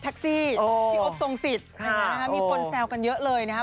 มีคนแซวกันเยอะเลยนะครับ